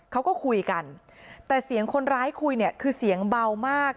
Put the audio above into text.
เขาก็คุยกันแต่เสียงคนร้ายคุยเนี่ยคือเสียงเบามาก